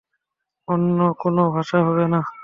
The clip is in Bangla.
অন্য কোন ভাষা হবে এটা!